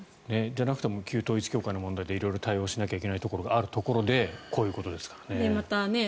じゃなくても旧統一教会の問題で色々対応しなければいけないところがあるところでこういうことですからね。